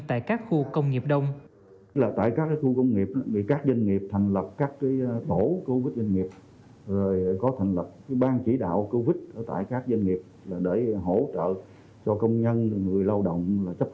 tại các khu công nghiệp đông